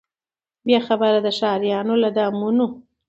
بې خبره د ښاریانو له دامونو